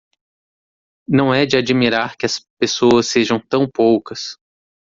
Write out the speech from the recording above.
Não é de admirar que as pessoas sejam tão poucas